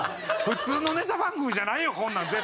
普通のネタ番組じゃないよこんなん絶対。